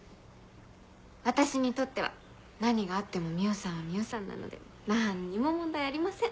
私にとっては何があっても海音さんは海音さんなので何にも問題ありません。